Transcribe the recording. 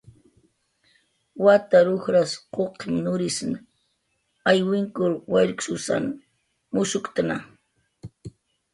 Watar ujras quqim nurisn aywinkun wayrkshusan mushuktna